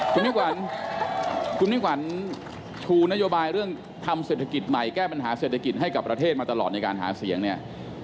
คุณนิ้วขวัญคุณนิ้วขวัญชูนโยบายเรื่องทำเศรษฐกิจให้ประเทศมาตลอดในการหาเสียงนี่